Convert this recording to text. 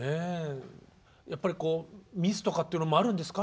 やっぱりミスとかっていうのもあるんですか？